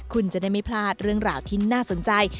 คุณจะได้ไม่พลาดเรื่องราวที่น่าสนใจ